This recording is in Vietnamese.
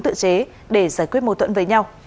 họ cũng tự chế để giải quyết mâu thuẫn với nhau